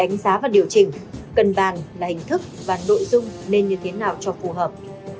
giá và điều chỉnh cân bàn là hình thức và nội dung nên như thế nào cho phù hợp